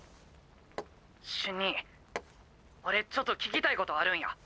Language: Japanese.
瞬兄俺ちょっと聞きたいことあるんや。